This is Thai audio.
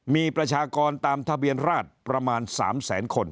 มีประชากรตามทะเบียนราชประมาณ๓แสนคน